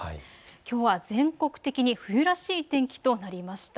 きょうは全国的に冬らしい天気となりました。